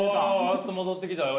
やっと戻ってきたよ